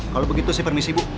kalau begitu sih permisi bu